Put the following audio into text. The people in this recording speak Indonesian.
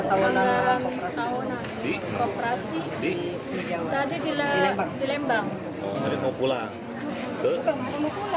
karena ini datang belum